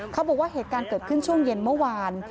เขาบอกว่าเหตุการณ์เกิดขึ้นช่วงเย็นเมื่อวาน